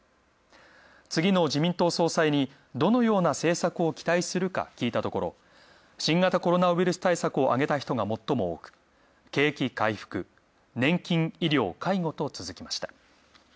次の自民党総裁にどのような政策を期待するか聞いたところ、新型コロナウイルス対策をあげた人が最も多く、景気回復、年金・医療・介護と続きました。